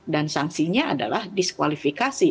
dan sanksinya adalah diskualifikasi